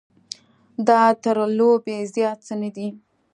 دا تر لوبې زیات څه نه دی.